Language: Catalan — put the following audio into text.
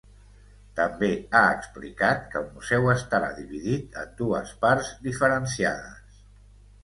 També ha explicat que el museu estarà dividit en dues parts diferenciades.